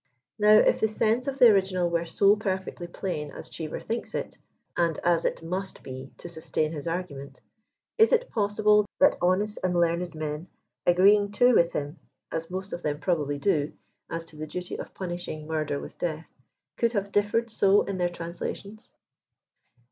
Now, if the sense of the original were so perfectly plain as Cheever thinks it, and as it must be to sustain his argument, is it possible that honest and learned men, agreeing too with him, as most of them proba bly do, as to the duty of punishing murder with death, could have differed so in their translations